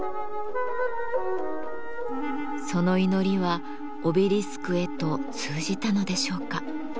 その祈りはオベリスクへと通じたのでしょうか？